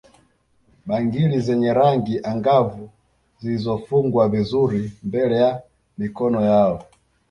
Bangili zenye rangi angavu zilizofungwa vizuri mbele ya mikono yao